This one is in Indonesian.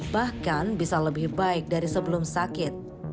bahkan bisa lebih baik dari sebelum sakit